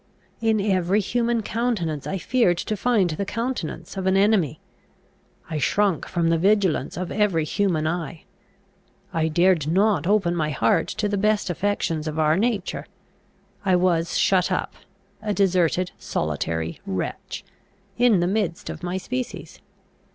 In every human countenance I feared to find the countenance of an enemy. I shrunk from the vigilance of every human eye. I dared not open my heart to the best affections of our nature. I was shut up, a deserted, solitary wretch, in the midst of my species.